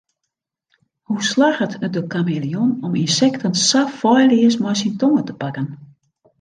Hoe slagget it de kameleon om ynsekten sa feilleas mei syn tonge te pakken?